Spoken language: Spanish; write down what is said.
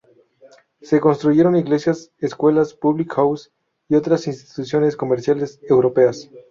Se construyeron iglesias, escuelas, public houses, y otras instituciones comerciales europeas.